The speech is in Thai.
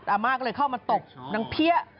อาม่าก็เลยเข้ามาตบนางเพี้ย